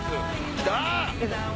来た！